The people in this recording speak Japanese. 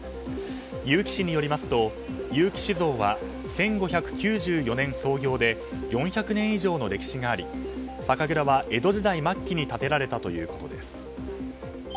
結城市によりますと結城酒造は１５９４年創業で４００年以上の歴史があり酒蔵は江戸時代末期に建てられたということです。